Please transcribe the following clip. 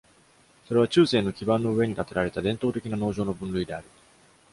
それは中世の基盤の上に建てられた伝統的な農場の分類である。